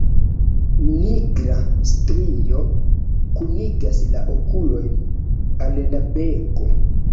Nigra strio kunigas la okulojn al la beko.